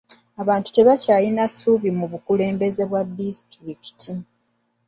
Abantu tebakyalina ssuubi mu bukulembeze ku disitulikiti.